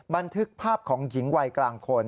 บันทึกภาพของหญิงวัยกลางคน